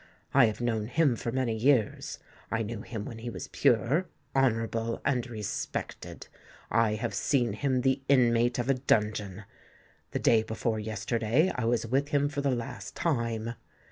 I have known him for many years—I knew him when he was pure, honourable, and respected: I have seen him the inmate of a dungeon. The day before yesterday I was with him for the last time.